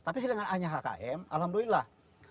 tapi sedangkan adanya hkm alhamdulillah